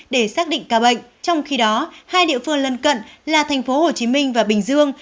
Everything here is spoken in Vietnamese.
để xác định ca bệnh trong khi đó hai địa phương lân cận là tp hcm và bình dương